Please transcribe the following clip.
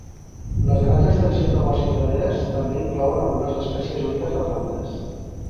Les grans extensions de bosc i praderes també inclouen algunes espècies úniques de plantes.